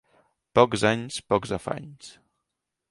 Pocs anys, pocs afanys.